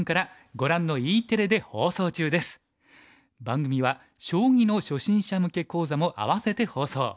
番組は将棋の初心者向け講座も併せて放送。